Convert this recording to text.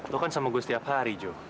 lo kan sama gue setiap hari jo